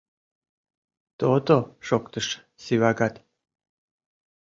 — То-то, — шоктыш Сивагат.